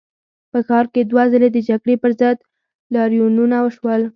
په ښار کې دوه ځلي د جګړې پر ضد لاریونونه وشول.